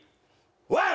ワン！